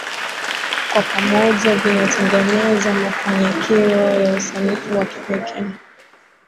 Kwa pamoja vinatengeneza mafanikio ya usanifu wa kipekee